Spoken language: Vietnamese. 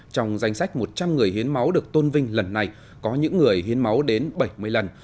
trong danh sách một trăm linh người hiến máu được tôn vinh lần này có những người hiến máu đến bảy mươi lần